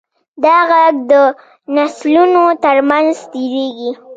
دا غږ د نسلونو تر منځ تېرېږي.